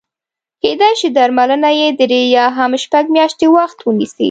کېدای شي درملنه یې درې یا هم شپږ میاشتې وخت ونیسي.